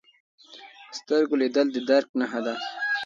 په سترګو لیدل د درک نښه ده